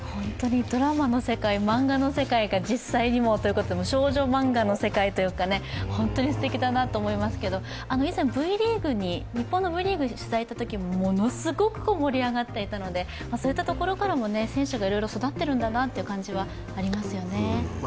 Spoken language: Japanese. ドラマの世界、漫画の世界が実際にもうということで少女漫画の世界というか、本当にすてきだなと思いますけど日本のＶリーグに取材に行ったときもものすごく盛り上がっていたのでそういったところからも選手がいろいろ育っているんだなという感じがしますね。